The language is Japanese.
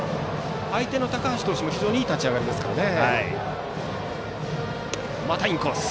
相手の高橋投手も非常にいい立ち上がりですからね。